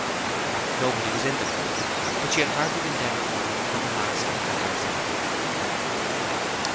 Nobody was in the room, but she had hardly been there a moment when the master of the house entered.